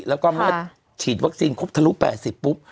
แล้วก็เมื่อฉีดวัคซีนครบทะลุ๘๐ปุ๊บ